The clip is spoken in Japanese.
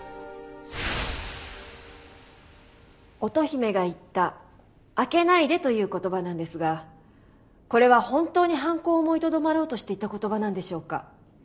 乙姫が言った「開けないで」という言葉なんですがこれは本当に犯行を思いとどまろうとして言った言葉なんでしょうか？